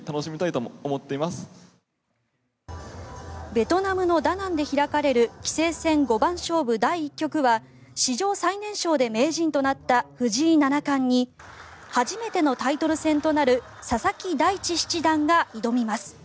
ベトナムのダナンで開かれる棋聖戦五番勝負第１局は史上最年少で名人となった藤井七冠に初めてのタイトル戦となる佐々木大地七段が挑みます。